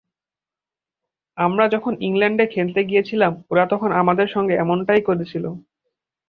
আমরা যখন ইংল্যান্ডে খেলতে গিয়েছিলাম ওরা তখন আমাদের সঙ্গে এমনটাই করেছিল।